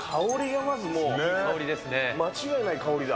間違いない香りだ。